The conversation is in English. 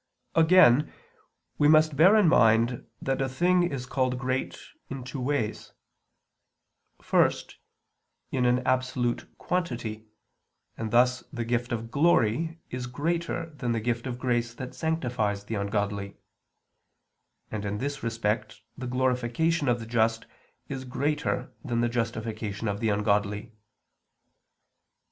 Again, we must bear in mind that a thing is called great in two ways: first, in an absolute quantity, and thus the gift of glory is greater than the gift of grace that sanctifies the ungodly; and in this respect the glorification of the just is greater than the justification of the ungodly.